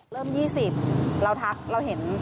เริ่ม๒๐เราทักเราเห็น